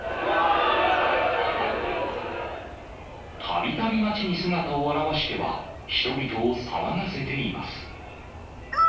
たびたび街に姿を現しては、人々を騒がせています。